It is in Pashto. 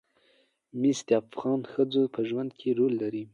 مس د افغان ښځو په ژوند کې رول لري.